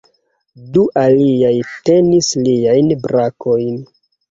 Du aliaj tenis liajn brakojn.